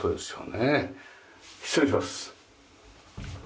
失礼します。